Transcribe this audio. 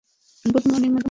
Good morning, madam!